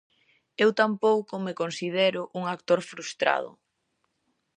Eu tampouco me considero un actor frustrado.